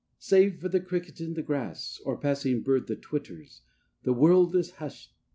II Save for the cricket in the grass, Or passing bird that twitters, The world is hushed.